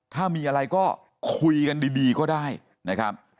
ถ้ามีอะไรก็คุยกันดีก็ได้นะครับ